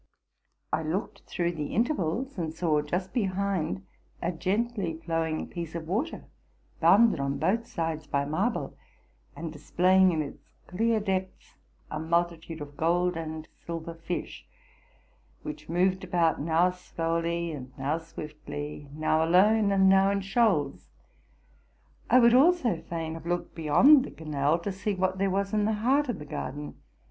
I looked through the intervals, and saw just behind a gently flowing piece 'of water, bounded on both sides by marble, and displayi ing in its clear depths a multi tude of gold and silver fish, which moved about now slowly and now swiftly, now alone and now in shoals. I would also fain have looked beyond the canal, to see what there was in the heart of the garden.